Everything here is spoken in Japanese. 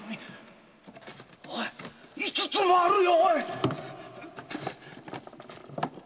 おい五つもあるよ！